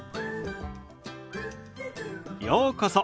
ようこそ。